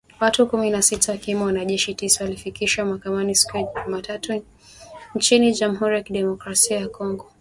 Watu kumi na sita wakiwemo wanajeshi tisa, walifikishwa mahakamani siku ya Jumatatu nchini Jamuhuri ya Kidemokrasia ya Kongo